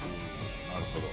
なるほど。